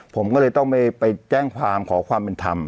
ผมก็เลยต้องไปแจ้งความขอความเป็นธรรม